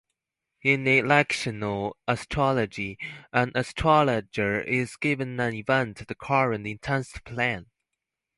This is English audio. In electional astrology, an astrologer is given an event the querent intends to plan.